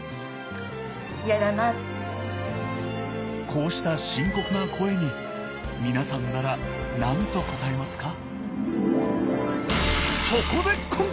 こうした深刻な声にみなさんなら何と答えますか？